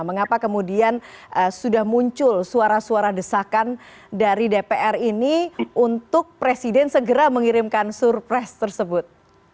mengapa kemudian sudah muncul suara suara desakan dari dpr ini untuk presiden segera mengirimkan surpres tersebut